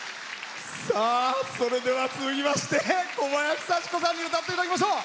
それでは続きまして小林幸子さんに歌っていただきましょう。